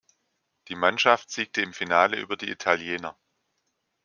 Die Mannschaft siegte im Finale über die Italiener.